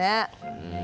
うん。